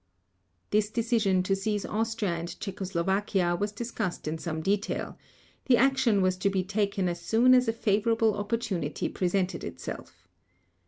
This decision to seize Austria and Czechoslovakia was discussed in some detail; the action was to be taken as soon as a favorable opportunity presented itself.